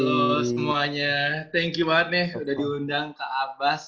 halo semuanya thank you banget nih udah diundang ke abbas